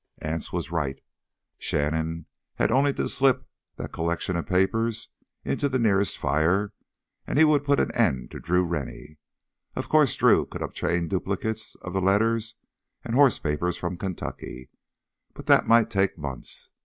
Anse was right. Shannon had only to slip that collection of papers into the nearest fire and he would put an end to Drew Rennie. Of course Drew could obtain duplicates of the letters and horse papers from Kentucky, but that might take months.